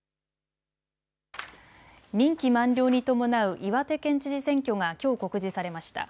任期満了に伴う岩手県知事選挙がきょう告示されました。